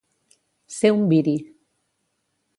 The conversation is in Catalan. Ser un viri.